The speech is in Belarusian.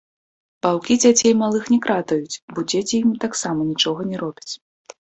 Ваўкі дзяцей малых не кратаюць, бо дзеці ім таксама нічога не робяць.